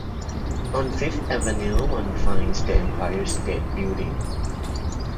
On Fifth Avenue one finds the Empire State Building.